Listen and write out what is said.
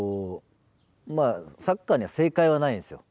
サッカーに正解はないんですよ。